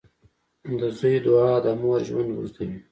• د زوی دعا د مور ژوند اوږدوي.